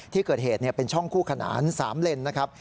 ที่เกิดเหตุเป็นช่องคู่ขนาน๓เลนนะครับ